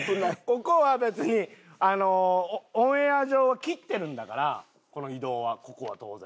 ここは別にあのオンエア上は切ってるんだからこの移動はここは当然。